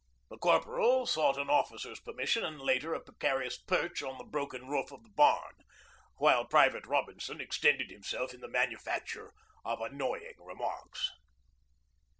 The corporal sought an officer's permission and later a precarious perch on the broken roof of the barn, while Private Robinson extended himself in the manufacture of annoying remarks.